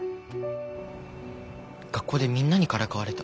学校でみんなにからかわれた。